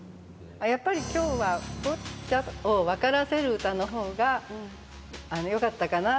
やっぱり今日はボッチャを分からせる歌の方がよかったかなって。